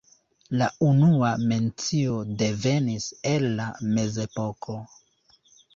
La unua mencio devenis el la mezepoko.